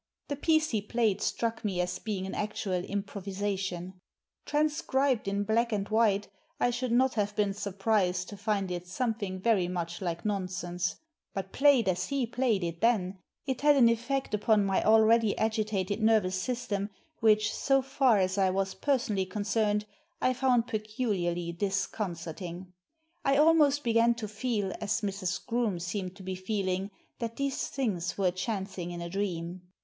The piece he played struck me as being an actual improvisation. Transcribed in black and white, I should not have been surprised to find it something very much like nonsense; but, played as he played it then, it had an effect upon my already agitated nervous system, which, so far as I was personally concerned, I found peculiarly dis concerting, I almost b^^ to feel, as Mrs. Groome seemed to be feeling, that these things were chanc ing in a dream.